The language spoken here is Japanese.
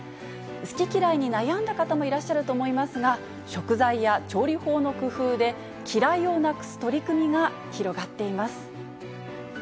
好き嫌いに悩んだ方もいらっしゃると思いますが、食材や調理法の工夫で、嫌いをなくす取り組みが広がっています。